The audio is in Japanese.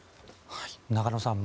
中野さん